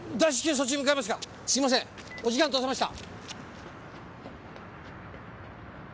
すいませんお時間取らせました。